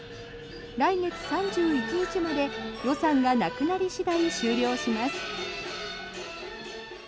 来月３１日まで予算がなくなり次第終了します。